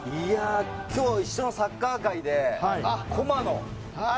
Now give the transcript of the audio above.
今日一緒のサッカー界で駒野。